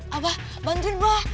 bapak bantuin bapak bapak